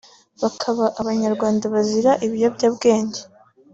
bakaba Abanyarwanda bazira ibiyobyabwenge